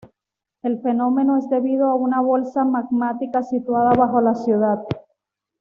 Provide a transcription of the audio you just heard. El fenómeno es debido a una bolsa magmática situada bajo la ciudad.